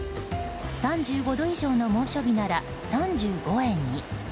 ３５度以上の猛暑日なら３５円に。